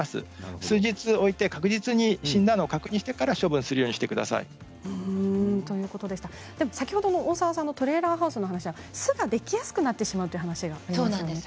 数日置いて確実に死んだのを確認してから先ほどの大沢さんのトレーラーハウスの話は巣ができやすくなってしまうという話がありましたね。